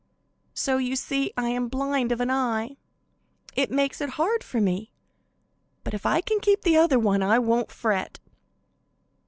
"So, as you see, I am blind of an eye. It makes it hard for me, but, if I can keep the other one, I won't fret."